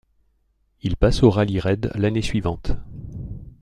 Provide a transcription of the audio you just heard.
Il passe au rallye-raid l'année suivante.